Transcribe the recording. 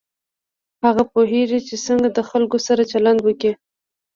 هغه پوهېږي چې څنګه د خلکو سره چلند وکړي.